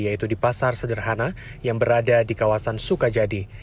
yaitu di pasar sederhana yang berada di kawasan sukajadi